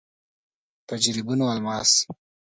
په جريبونو الماس.